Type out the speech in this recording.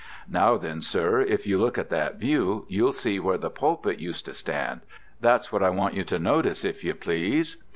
Now then, sir, if you look at that view, you'll see where the pulpit used to stand: that's what I want you to notice, if you please."